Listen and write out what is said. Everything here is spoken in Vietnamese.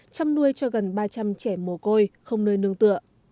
chăm nuôi cho gần ba trăm linh trẻ mồ côi không nơi nương tựa